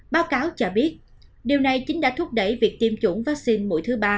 báo cáo cho biết điều này chính đã thúc đẩy việc tiêm chủng vaccine mũi thứ ba